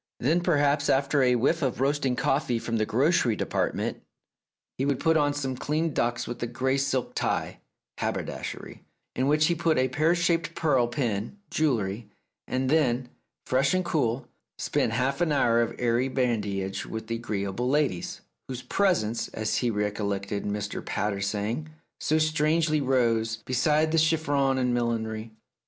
Then perhaps after a whiff of roasting coffee from the grocery department, he would put on some clean ducks with a grey silk tie (haberdashery), in which he put a pear shaped pearl pin (jewellery), and then, fresh and cool, spent a half hour of airy badinage with the agreeable ladies, "whose presence," as he recollected Mr. Pater saying, "so strangely rose" beside the chiffon and millinery.